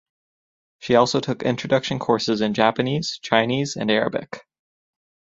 She also took introduction courses in Japanese, Chinese and Arabic.